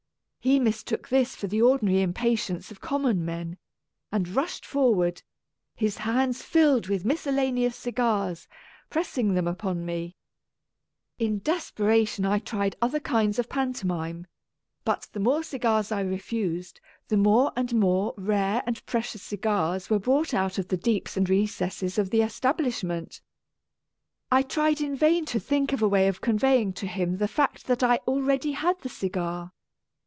He mistook this for the ordinary impatience of common men, and rushed forward, his hands filled with miscellaneous cigars, press ing them upon me. In desperation I tried other kinds of pantomime, but the more cigars I refused the more and more rare and precious cigars were brought out of the deeps and recesses of the establish [n8] A Tragedy of Twopence ment. I tried in vain to think of a way of conveying to him the fact that I had already had the cigar.